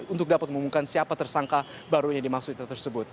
untuk dapat mengumumkan siapa tersangka barunya dimaksud itu tersebut